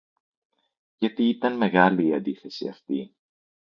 Γιατί ήταν μεγάλη η αντίθεση αυτή